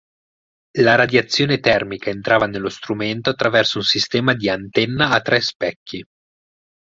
La radiazione termica entrava nello strumento attraverso un sistema di antenna a tre specchi.